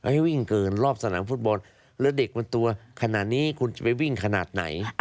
ให้วิ่งเกินรอบสนามฟุตบอลแล้วเด็กบนตัวขนาดนี้คุณจะไปวิ่งขนาดไหน